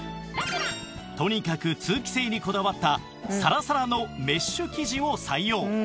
とにかく通気性にこだわったサラサラのメッシュ生地を採用